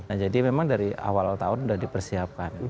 nah jadi memang dari awal tahun sudah dipersiapkan